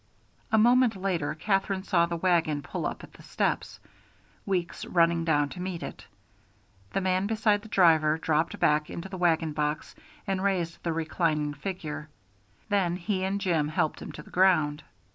A moment later Katherine saw the wagon pull up at the steps, Weeks running down to meet it. The man beside the driver dropped back into the wagon box and raised the reclining figure; then he and Jim helped him to the ground.